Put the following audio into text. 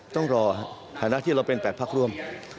ต้องรอถันที่เราเป็นแปดภักดิ์ร่วม